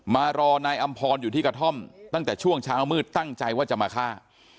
มารอนายอำพรอยู่ที่กระท่อมตั้งแต่ช่วงเช้ามืดตั้งใจว่าจะมาฆ่า